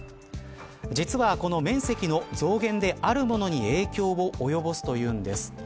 実は、この面積の増減であるものに影響を及ぼすというんです。